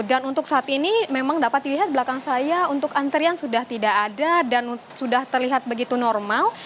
dan untuk saat ini memang dapat dilihat belakang saya untuk antrian sudah tidak ada dan sudah terlihat begitu normal